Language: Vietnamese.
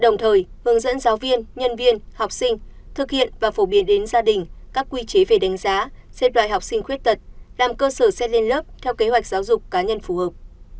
đồng thời hướng dẫn giáo viên nhân viên học sinh thực hiện và phổ biến đến gia đình các quy chế về đánh giá xếp loại học sinh khuyết tật làm cơ sở xét lên lớp theo kế hoạch giáo dục cá nhân phù hợp